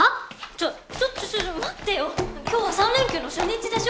⁉ちょっちょっちょっちょっ待ってよ今日は３連休の初日でしょ